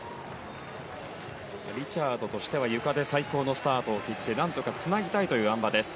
リチャードとしてはゆかで最高のスタートを切って何とかつなぎたいというあん馬です。